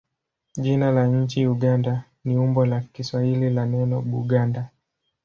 Jina la nchi Uganda ni umbo la Kiswahili la neno Buganda.